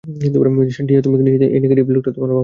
টিয়া, তুমি কি নিশ্চিত এই নেগেটিভ লোকটা তোমার বাবা।